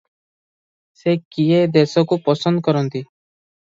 ସେ କିଏ ଦେଶକୁ ପସନ୍ଦ କରନ୍ତି?